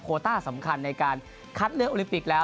ต้าสำคัญในการคัดเลือกโอลิมปิกแล้ว